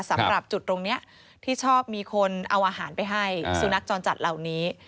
สำหรับจุดตรงนี้ที่ชอบมีคนเอาอาหารไปให้สุนัขจรจัดเหล่านี้